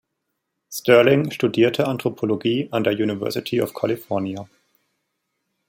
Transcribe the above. Stirling studierte Anthropologie an der University of California.